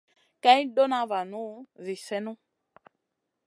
Kay ɗona vanu zi sèhnu.